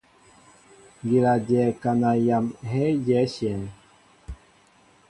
Ŋgíla dyɛ kana yam heé diɛnshɛŋ.